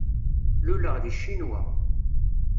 Luleɣ deg Ccinwa.